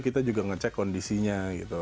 kita juga ngecek kondisinya gitu